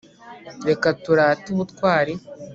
reka turate ubutwari